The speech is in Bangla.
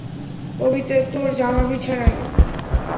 পবিত্রা, তোর জামা বিছানায়।